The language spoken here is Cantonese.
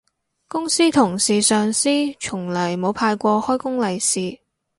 公司同事上司從來冇派過開工利是